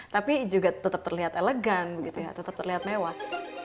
tapi juga tetap terlihat elegan tetap terlihat mewah